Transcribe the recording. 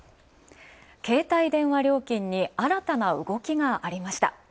携帯電話料金に新たな動きがありました。